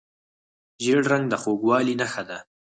ژیړ رنګ د خوږوالي نښه ده.